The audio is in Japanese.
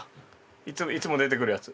いつも出てくるやつ。